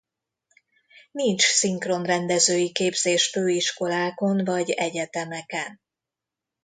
Nincs szinkronrendezői képzés főiskolákon vagy egyetemeken.